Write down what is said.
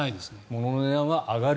ものの値段は上がる。